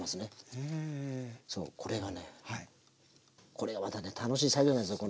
これまたね楽しい作業なんですよ。